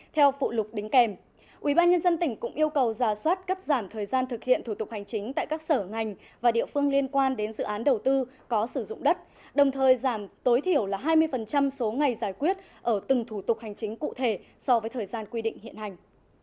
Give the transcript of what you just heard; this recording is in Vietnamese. theo phụ lục đính kèm ubnd tỉnh cũng yêu cầu giả soát cắt giảm thời gian thực hiện thủ tục hành chính tại các sở ngành và địa phương liên quan đến dự án đầu tư có sử dụng đất đồng thời giảm tối thiểu là hai mươi số ngày giải quyết ở từng thủ tục hành chính cụ thể so với thời gian quy định hiện hành